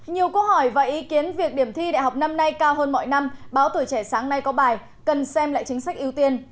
nhiều câu hỏi và ý kiến việc điểm thi đại học năm nay cao hơn mọi năm báo tuổi trẻ sáng nay có bài cần xem lại chính sách ưu tiên